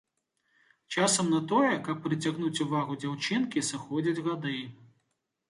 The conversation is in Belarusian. Часам на тое, каб прыцягнуць увагу дзяўчынкі, сыходзяць гады.